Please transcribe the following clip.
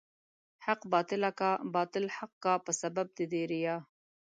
حق باطل کا، باطل حق کا په سبب د دې ريا